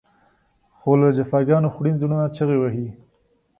خو له جفاګانو خوړین زړونه چغې وهي.